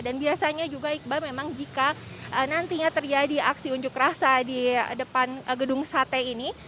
dan biasanya juga iqbal memang jika nantinya terjadi aksi unjuk rasa di depan gedung sate ini